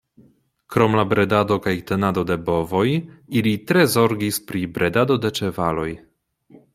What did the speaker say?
Krom la bredado kaj tenado de bovoj ili tre zorgis pri bredado de ĉevaloj.